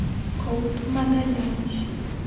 Couto Magalhães